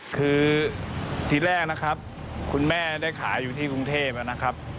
คือทีแรกนะครับคุณแม่ได้ขายอยู่ที่กรุงเทพนะครับ